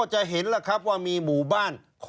ชีวิตกระมวลวิสิทธิ์สุภาณฑ์